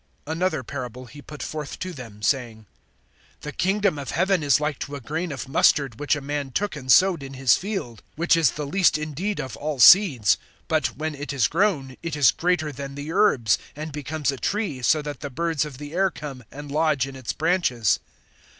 (31)Another parable he put forth to them, saying: The kingdom of heaven is like to a grain of mustard, which a man took and sowed in his field. (32)Which is the least indeed of all seeds; but when it is grown, it is greater than the herbs, and becomes a tree, so that the birds of the air come and lodge in its branches.